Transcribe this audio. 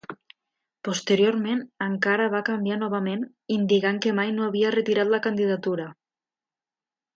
Posteriorment encara va canviar novament, indicant que mai no havia retirat la candidatura.